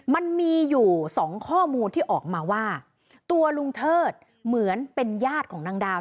มันมีอยู่สองข้อมูลที่ออกมาว่าตัวลุงเทิดเหมือนเป็นญาติของนางดาว